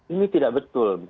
ini tidak betul